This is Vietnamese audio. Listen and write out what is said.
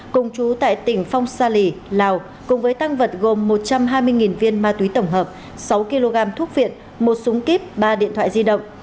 cùng chú tại tỉnh phong sa lì lào cùng với tăng vật gồm một trăm hai mươi viên ma túy tổng hợp sáu kg thuốc viện một súng kíp ba điện thoại di động